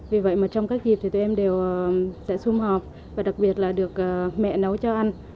vì vậy mà trong các dịp thì tụi em đều sẽ xung họp và đặc biệt là được mẹ nấu cho ăn